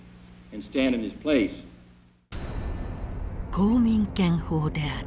公民権法である。